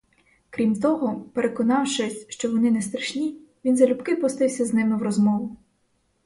Крім того, переконавшись, що вони не страшні, він залюбки пустився з ними в розмову.